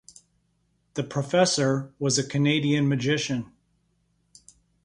The Professor, was a Canadian magician.